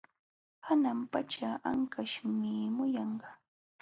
Hanan pacha anqaśhmi muyunpa.